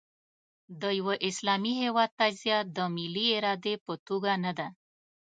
د یوه اسلامي هېواد تجزیه د ملي ارادې په توګه نه ده.